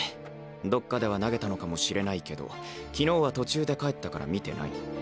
どっかでは投げたのかもしれないけど昨日は途中で帰ったから見てない。